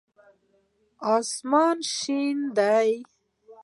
آسمان شين دی.